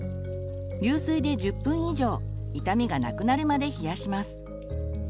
流水で１０分以上痛みが無くなるまで冷やします。